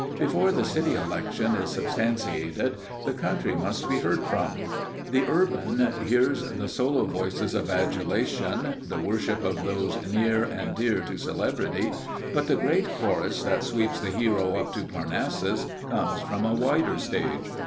Before the city election is substantiated, the country must be heard from. The urban hears the solo voices of adulation, the worship of those near and dear to celebrity, but the great chorus that sweeps the hero up to Parnassus comes from a wider stage.